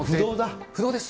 不動です。